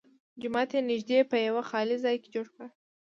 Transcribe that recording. جومات یې نږدې په یوه خالي ځای کې جوړ کړ.